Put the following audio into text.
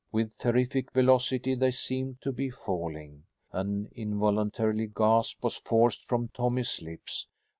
With terrific velocity they seemed to be falling. An involuntary gasp was forced from Tommy's lips.